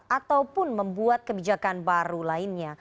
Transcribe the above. ataupun membuat kebijakan baru lainnya